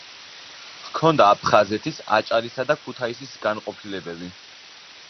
ჰქონდა აფხაზეთის, აჭარისა და ქუთაისის განყოფილებები.